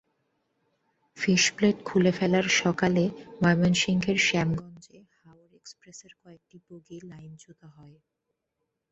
Fishplate খুলে ফেলায় সকালে ময়মনসিংহের শ্যামগঞ্জে হাওর এক্সপ্রেসের কয়েকটি বগি লাইনচ্যুত হয়।